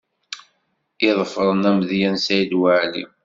I tḍefrem amedya n Saɛid Waɛli?